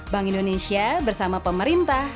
bank indonesia bersama pemerintah